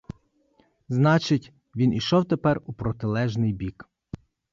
Значить, він ішов тепер у протилежний бік.